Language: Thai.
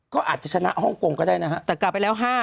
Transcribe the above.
ก็อาจจะชนะฮ่องกงก็ได้นะฮะ